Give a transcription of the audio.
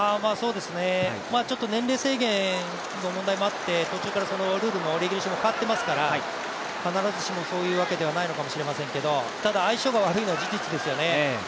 年齢制限の問題もあって、途中からルール、レギュレーションも変わっていますから、必ずしもそういうわけではありませんけれども、ただ相性が悪いのは事実ですよね。